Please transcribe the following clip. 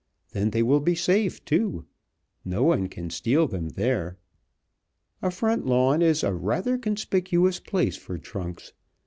Then they will be safe, too. No one can steal them there. A front lawn is a rather conspicuous place for trunks.